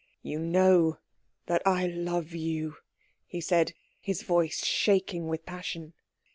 "You know that I love you," he said, his voice shaking with passion.